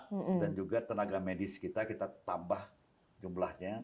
dan juga tenaga medis kita kita tambah jumlahnya